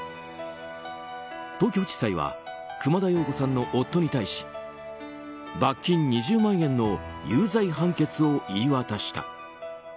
東京地裁は熊田曜子さんの夫に対し罰金２０万円の有罪判決を言い渡した。